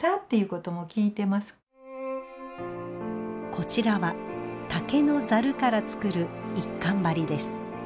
こちらは竹のざるから作る一閑張です。